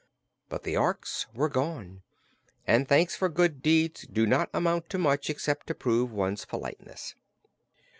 But the Orks were gone, and thanks for good deeds do not amount to much except to prove one's politeness.